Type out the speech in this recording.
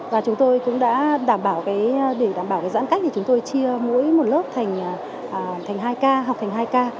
và chúng tôi cũng đã đảm bảo cái để đảm bảo cái giãn cách thì chúng tôi chia mỗi một lớp thành hai k học thành hai k